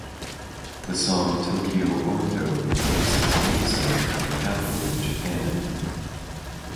The song "Tokyo Ondo" takes its namesake from the capital of Japan.